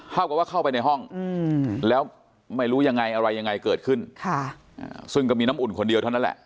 เท่ากับว่าเข้าไปในห้องแล้วไม่รู้ยังไงอะไรยังไงเกิดขึ้นซึ่งก็มีน้ำอุ่นคนเดียวเท่านั้นแหละ